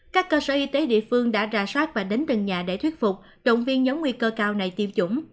các cơ sở y tế địa phương đã ra soát và đến từng nhà để thuyết phục động viên nhóm nguy cơ cao này tiêm chủng